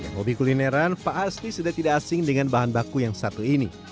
hobi kulineran pasti sudah tidak asing dengan bahan baku yang satu ini